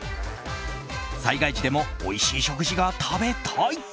災害時でもおいしい食事が食べたい！